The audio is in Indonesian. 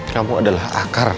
kamu adalah akar